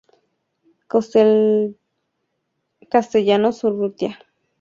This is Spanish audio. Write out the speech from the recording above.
Castellanos Urrutia fue un maestro y político mexicano.